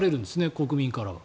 国民からは。